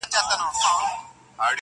له ستړیا له بېخوبیه لکه مړی!.